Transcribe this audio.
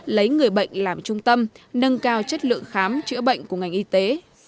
lấy người bệnh làm trung tâm nâng cao chất lượng khám chữa bệnh của ngành y tế